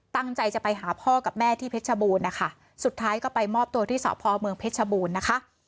ตั้งใจจะไปหาพ่อกับแม่ที่เพชรชบูรณ์นะคะสุดท้ายก็ไปมอบตัวที่สพเมืองเพชรชบูรณ์นะคะ